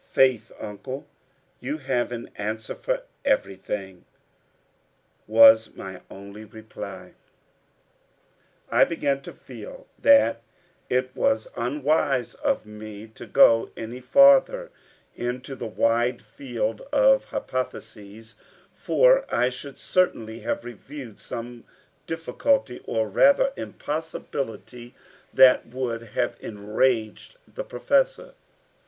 "Faith, Uncle, you have an answer for everything," was my only reply. I began to feel that it was unwise of me to go any farther into the wide field of hypotheses for I should certainly have revived some difficulty, or rather impossibility, that would have enraged the Professor.